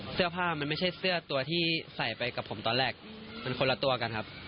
เสื้อผ้ามันไม่ใช่เสื้อตัวที่ใส่ไปกับผมตอนแรกมันคนละตัวกันครับ